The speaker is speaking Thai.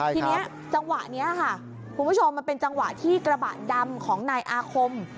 ทีนี้จังหวะนี้ค่ะคุณผู้ชมมันเป็นจังหวะที่กระบะดำของนายอาคม